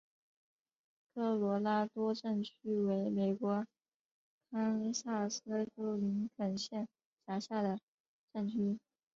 科罗拉多镇区为美国堪萨斯州林肯县辖下的镇区。